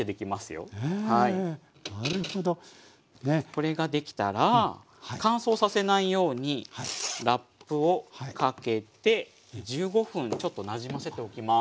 これができたら乾燥させないようにラップをかけて１５分ちょっとなじませておきます。